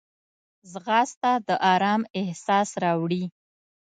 ځغاسته د آرام احساس راوړي